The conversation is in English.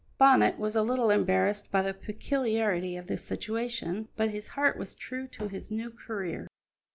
Bonnet was a little embarrassed by the peculiarity of the situation, but his heart was true to his new career.